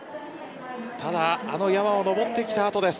ただあの山をのぼってきた後です。